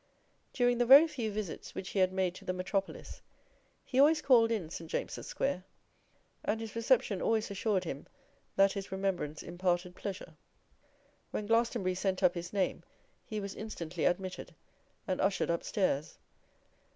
During the very few visits which he had made to the metropolis, he always called in St. James's Square and his reception always assured him that his remembrance imparted pleasure. When Glastonbury sent up his name he was instantly admitted, and ushered up stairs.